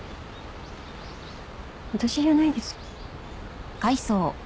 私じゃないです。